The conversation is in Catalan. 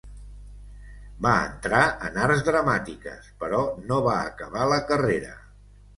Va entrar en Arts Dramàtiques, però no va acabar la carrera.